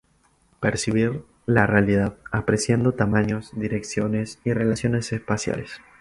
Percibir la realidad, apreciando tamaños, direcciones y relaciones espaciales.